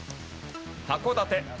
はこだて。